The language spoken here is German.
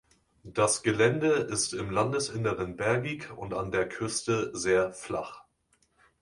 Das Gelände ist im Landesinneren bergig und an der Küste sehr flach.